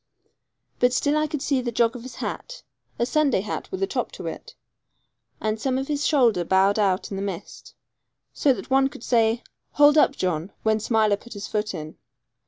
But still I could see the jog of his hat a Sunday hat with a top to it and some of his shoulder bowed out in the mist, so that one could say 'Hold up, John,' when Smiler put his foot in.